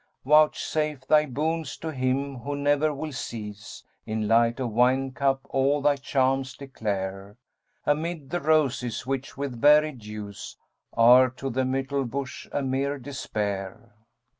Vouchsafe thy boons to him who ne'er will cease * In light of wine cup all thy charms declare, Amid the roses which with varied hues * Are to the myrtle bush[FN#203] a mere despair.'